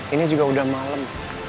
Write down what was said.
ini juga udah malem